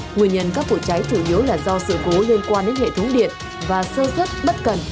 nguyên nhân các vụ cháy chủ yếu là do sự cố liên quan đến hệ thống điện và sơ suất bất cần